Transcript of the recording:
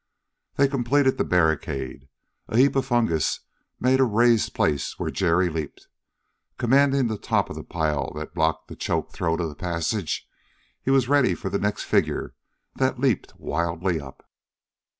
They completed the barricade. A heap of fungus made a raised place where Jerry leaped. Commanding the top of the pile that blocked the choked throat of the passage, he was ready for the next figure that leaped wildly up.